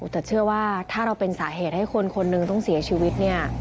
แต่เชื่อว่าถ้าเราเป็นสาเหตุให้คนคนหนึ่งต้องเสียชีวิตเนี่ย